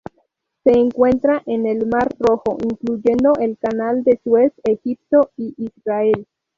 Se encuentra en el Mar Rojo, incluyendo el Canal de Suez, Egipto y Israel.